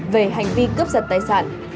về hành vi cướp giật tài sản